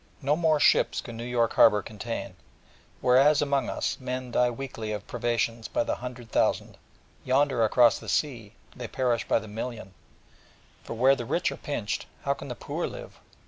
No more ships can New York Harbour contain, and whereas among us men die weekly of privations by the hundred thousand, yonder across the sea they perish by the million: for where the rich are pinched, how can the poor live?